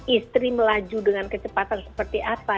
istri melaju dengan kecepatan seperti apa